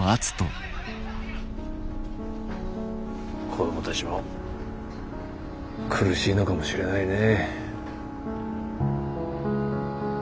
子供たちも苦しいのかもしれないねえ。